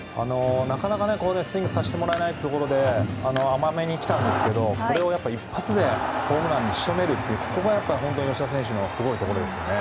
なかなかスイングさせてもらえないところで甘めに来たんですがこれを一発でホームランに仕留めるというここが本当に吉田選手のすごいところですよね。